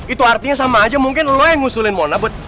itu artinya sama aja mungkin lo yang ngusulin mona bud